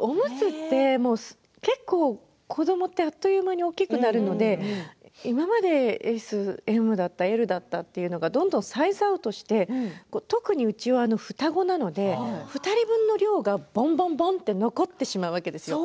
オムツって結構、子どもはあっという間に大きくなるので今までＳ、ＭだったＬだったというのがどんどんサイズアウトして特にうちは双子なので２人分の量がばんばん残ってしまうんですよ。